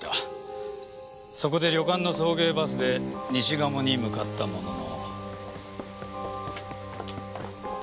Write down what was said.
そこで旅館の送迎バスで西加茂に向かったものの。